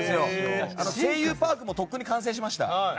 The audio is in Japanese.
声優パークもとっくに完成しました。